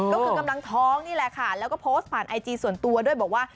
ก็คือกำลังท้องนี่แหละค่ะแล้วก็โพสต์ผ่านไอจีส่วนตัวด้วยบอกว่า